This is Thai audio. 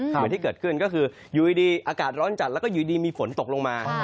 เหมือนที่เกิดขึ้นก็คืออยู่ดีอากาศร้อนจัดแล้วก็อยู่ดีมีฝนตกลงมา